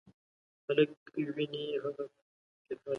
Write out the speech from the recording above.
هلک وینې، هغه بېحاله دی.